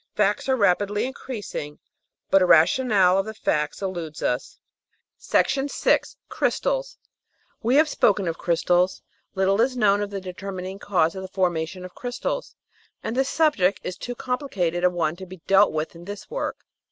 Facts are rapidly increasing, but a rationale of the facts eludes us. 6 Crystals We have spoken of crystals ; little is known of the determin ing cause of the formation of crystals, and the subject is too com plicated a one to be dealt with in this work.